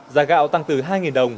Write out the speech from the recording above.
giá gạo tăng từ hai đồng